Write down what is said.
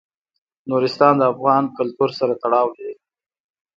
نورستان د افغان کلتور سره تړاو لري.